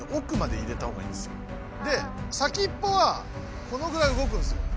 けっこうねで先っぽはこのぐらいうごくんですよ。